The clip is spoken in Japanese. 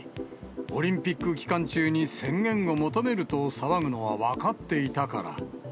オリンピック期間中に宣言を求めると騒ぐのは分かっていたから。